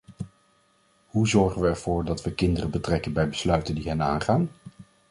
Hoe zorgen we ervoor dat we kinderen betrekken bij besluiten die hen aangaan?